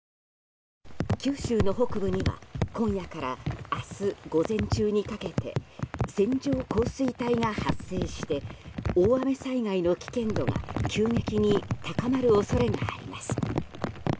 九州の北部では今夜から明日午前中にかけて線状降水帯が発生して大雨災害の危険度が急激に高まる恐れがあります。